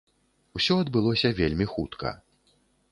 Усё адбылося вельмі хутка.